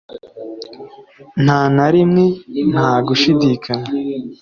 nta na rimwe, nta gushidikanya